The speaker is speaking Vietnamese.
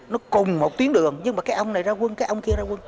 nó cùng một tuyến đường nhưng mà cái ông này ra quân cái ông kia ra quân